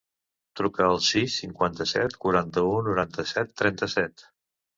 Truca al sis, cinquanta-set, quaranta-u, noranta-set, trenta-set.